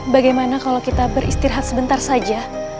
bagaimana kalau kita beristirahat sebentar saja